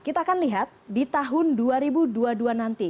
kita akan lihat di tahun dua ribu dua puluh dua nanti